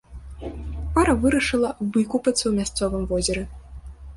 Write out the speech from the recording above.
Пара вырашыла выкупацца ў мясцовым возеры.